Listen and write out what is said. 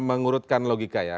mengurutkan logika ya